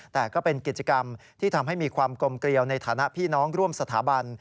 แต่ก็เป็นกิจกรรมที่ทำให้มีความกลมเกลียวในฐานะพี่น้องร่วมสถาบัน